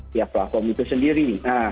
pihak platform itu sendiri